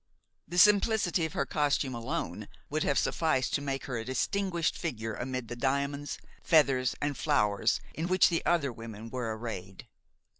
The simplicity of her costume alone would have sufficed to make her a distinguished figure amid the diamonds, feathers and flowers in which the other women were arrayed.